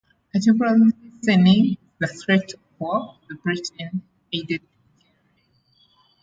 A temporary lessening in the threat of war with Britain aided Gerry.